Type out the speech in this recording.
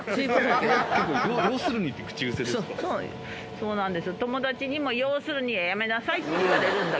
そうなんです。